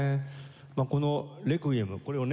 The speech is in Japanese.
この『レクイエム』これをね